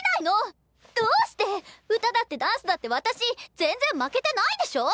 どうして⁉歌だってダンスだって私全然負けてないでしょう？